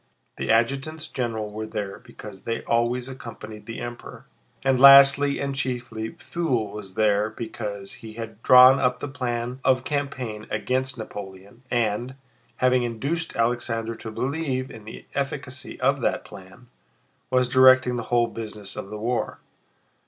The adjutants general were there because they always accompanied the Emperor, and lastly and chiefly Pfuel was there because he had drawn up the plan of campaign against Napoleon and, having induced Alexander to believe in the efficacy of that plan, was directing the whole business of the war.